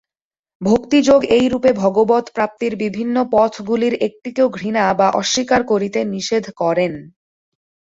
ভক্তিযোগ এইরূপে ভগবৎপ্রাপ্তির বিভিন্ন পথগুলির একটিকেও ঘৃণা বা অস্বীকার করিতে নিষেধ করেন।